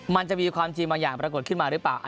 มันจะมีความจริงบางอย่างปรากฏขึ้นมาหรือเปล่า